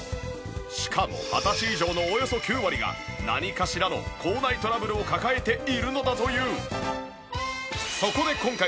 しかも二十歳以上のおよそ９割が何かしらの口内トラブルを抱えているのだという。